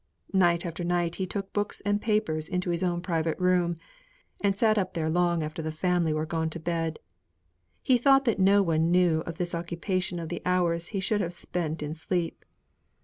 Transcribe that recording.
Night after night he took books and papers into his own private room, and sate up there long after the family were gone to bed. He thought no one knew of this occupation of the hours he should have spent in sleep.